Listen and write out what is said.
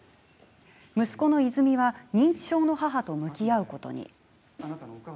息子の泉は認知症の母と向き合うことに。